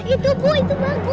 itu bu itu bagus